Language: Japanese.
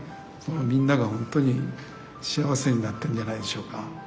みんなが本当に幸せになっているんじゃないでしょうか。